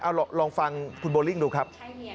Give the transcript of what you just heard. เอาล่ะลองฟังคุณบอลลิ้งดูครับ